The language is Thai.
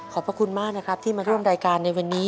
พระคุณมากนะครับที่มาร่วมรายการในวันนี้